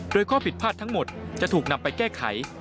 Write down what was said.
โดยข้อผิดพลาดทั้งหมดจะถูกนำไปแก้ไข